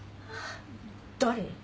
誰？